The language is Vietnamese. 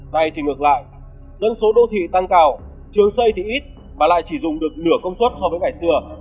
nay thì ngược lại dân số đô thị tăng cao trường xây thì ít mà lại chỉ dùng được nửa công suất so với ngày xưa